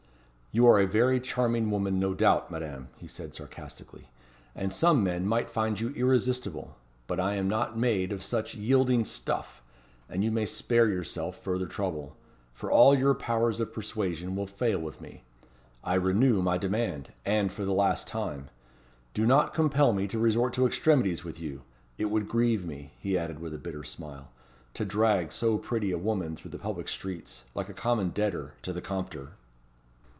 "You are a very charming woman, no doubt, Madame," he said sarcastically; "and some men might find you irresistible; but I am not made of such yielding stuff, and you may spare yourself further trouble, for all your powers of persuasion will fail with me. I renew my demand and for the last time. Do not compel me to resort to extremities with you. It would grieve me," he added with a bitter smile, "to drag so pretty a woman through the public streets, like a common debtor, to the Compter."